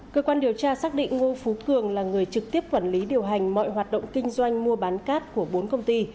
cơ quan điều tra xác định ngô phú cường là người trực tiếp quản lý điều hành mọi hoạt động kinh doanh mua bán cát của bốn công ty